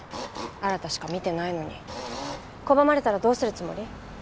新しか見てないのに拒まれたらどうするつもり？